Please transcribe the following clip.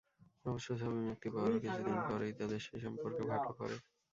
অবশ্য, ছবি মুক্তি পাওয়ার কিছুদিন পরেই তাঁদের সেই সম্পর্কে ভাটা পড়ে।